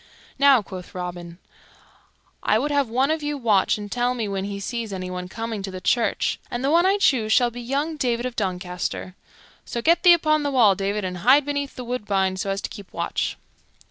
"Now," quoth Robin, "I would have one of you watch and tell me when he sees anyone coming to the church, and the one I choose shall be young David of Doncaster. So get thee upon the wall, David, and hide beneath the woodbine so as to keep watch."